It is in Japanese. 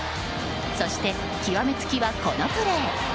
そして、極め付きはこのプレー。